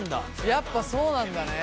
やっぱそうなんだね。